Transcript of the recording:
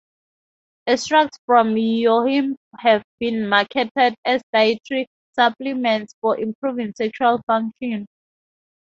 Extracts from yohimbe have been marketed as dietary supplements for improving sexual function.